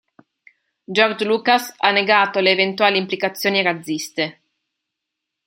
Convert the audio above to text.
George Lucas ha negato le eventuali implicazioni razziste.